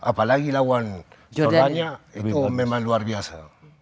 apalagi lawan korbannya itu memang luar biasa